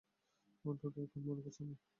অন্তত এখন মনে পড়ছে না।